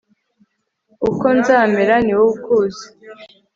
uko nzamera ni wowe ukuzi